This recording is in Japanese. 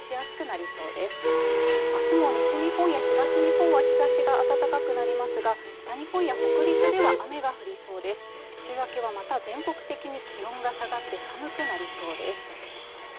あすも西日本や東日本は日ざしが暖かくなりますが北日本や北陸では雨が降りそうです週明けはまた全国的に気温が下がって寒くなりそうです